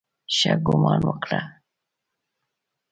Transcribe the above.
ښه ګومان وکړه.